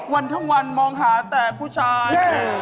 วันทั้งวันมองหาแต่ผู้ชาย